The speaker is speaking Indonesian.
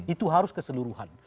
itu harus keseluruhan